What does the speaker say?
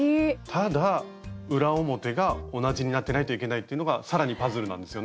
ただ裏表が同じになってないといけないというのが更にパズルなんですよね。